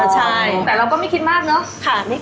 ใช่แต่เราก็ไม่คิดมากเนอะ